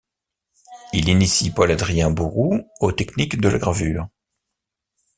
Il initie Paul Adrien Bouroux aux techniques de la gravure.